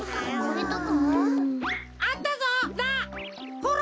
ほら！